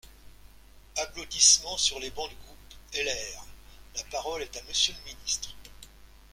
(Applaudissements sur les bancs du groupe LR.) La parole est à Monsieur le ministre.